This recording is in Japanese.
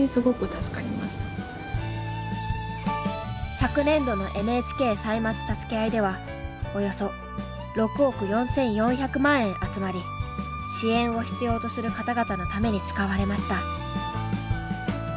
昨年度の「ＮＨＫ歳末たすけあい」ではおよそ６億４，４００万円集まり支援を必要とする方々のために使われました。